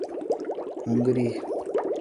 Hungary